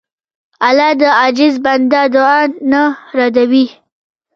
الله د عاجز بنده دعا نه ردوي.